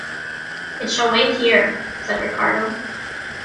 "It shall wait here," said Ricardo.